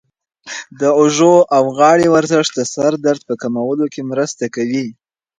د اوږو او غاړې ورزش د سر درد په کمولو کې مرسته کوي.